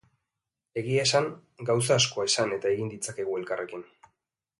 Egia esan, gauza asko esan eta egin ditzakegu elkarrekin.